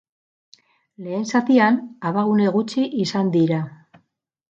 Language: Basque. Lehen zatian, abagune gutxi izan dira.